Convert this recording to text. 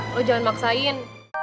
lo jangan maksain